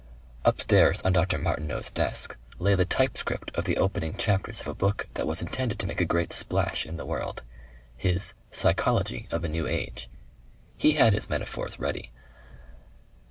Upstairs on Dr. Martineau's desk lay the typescript of the opening chapters of a book that was intended to make a great splash in the world, his PSYCHOLOGY OF A NEW AGE. He had his metaphors ready.